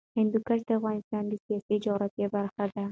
هندوکش د افغانستان د سیاسي جغرافیه برخه ده.